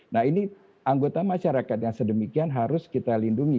nah ini anggota masyarakat yang sedemikian harus kita lindungi